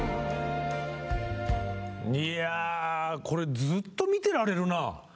これずっと見てられるな。